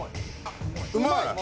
うまい！